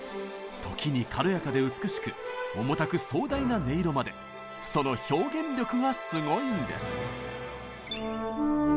時に軽やかで美しく重たく壮大な音色までその表現力がすごいんです！